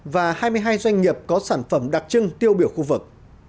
và hai mươi hai doanh nghiệp có sản phẩm đặc trưng tiêu biểu khu vực